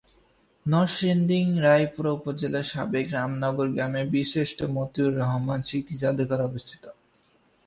নরসিংদীর রায়পুরা উপজেলার সাবেক রামনগর গ্রামে বীরশ্রেষ্ঠ মতিউর রহমান স্মৃতি জাদুঘর অবস্থিত।